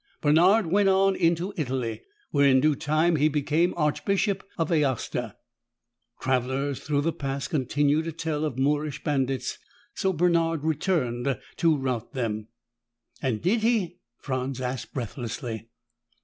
Bernard went on into Italy, where in due time he became Archbishop of Aosta. Travelers through the Pass continued to tell of Moorish bandits, so Bernard returned to rout them." "And did he?" Franz asked breathlessly.